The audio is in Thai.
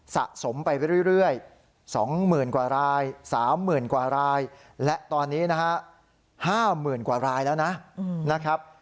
สะสมไปเรื่อย๒หมื่นกว่าราย๓หมื่นกว่ารายและตอนนี้๕หมื่นกว่ารายแล้วนะ